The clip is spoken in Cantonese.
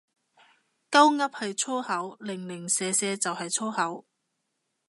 鳩噏係粗口，零零舍舍就係粗口